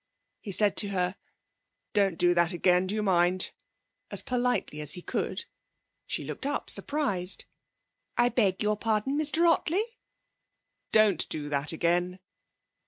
He said to her: 'Don't do that again. Do you mind?' as politely as he could. She looked up, surprised. 'I beg your pardon, Mr Ottley?' 'Don't do that again.'